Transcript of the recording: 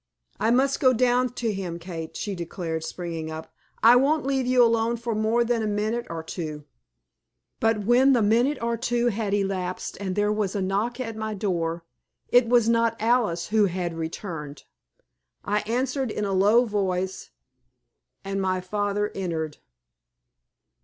"I must go down to him, Kate," she declared, springing up; "I won't leave you alone for more than a minute or two." But when the minute or two had elapsed and there was a knock at my door, it was not Alice who had returned. I answered in a low voice, and my father entered.